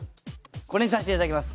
これにさせて頂きます。